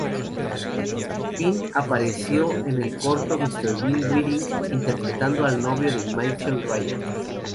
Bean apareciendo en el corto "Mr.Bean´s Wedding" interpretando al novio de Michelle Ryan.